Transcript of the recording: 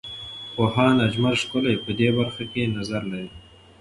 پوهاند اجمل ښکلی په دې برخه کې نظر لري.